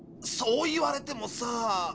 そう言われてもさ。